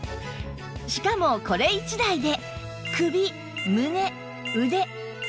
しかもこれ１台で